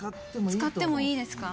使ってもいいですか？